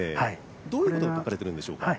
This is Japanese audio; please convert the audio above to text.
どういうことが書かれてるんでしょうか？